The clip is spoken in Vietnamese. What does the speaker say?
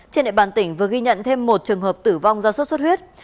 trên địa bàn tỉnh vừa ghi nhận thêm một trường hợp tử vong do sốt xuất huyết